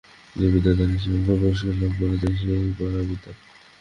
যে বিদ্যা দ্বারা সেই অক্ষর পুরুষকে লাভ করা যায়, তাই পরা বিদ্যা।